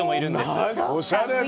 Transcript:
なにおしゃれな。